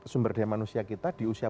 sumber daya manusia kita di usia